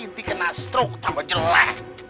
nanti kena strok tambah jelek